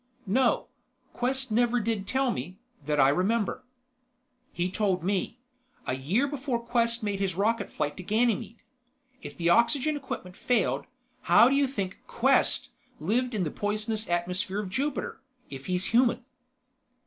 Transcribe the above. "No. Quest never did tell me, that I remember." "He told me: a year before Quest made his rocket flight to Ganymede! If the oxygen equipment failed, how do you think Quest lived in the poisonous atmosphere of Jupiter, if he's human?"